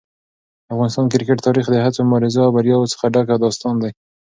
د افغانستان کرکټ تاریخ د هڅو، مبارزې او بریاوو څخه ډک داستان دی.